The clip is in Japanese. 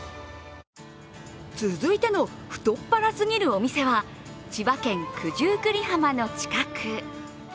続いての太っ腹すぎるお店は千葉県九十九里浜の近く。